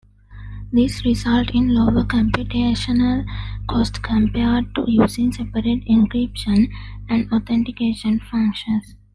This results in lower computational cost compared to using separate encryption and authentication functions.